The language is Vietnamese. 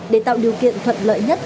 để tạo điều kiện thuận lợi nhất